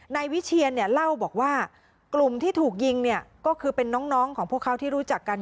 ในวิเชียร์เล่าบอกว่ากลุมที่ถูกยิงก็คือเป็นน้องของพวกเขาที่รู้จักกัน